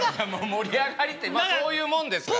盛り上がりってまあそういうもんですからね。